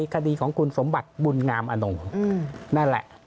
คดีของคุณสมบัติบุญงามอนงนั่นแหละ